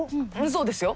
そうですよ。